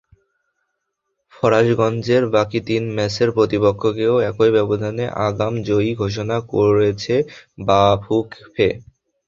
ফরাশগঞ্জের বাকি তিন ম্যাচের প্রতিপক্ষকেও একই ব্যবধানে আগাম জয়ী ঘোষণা করেছে বাফুফে।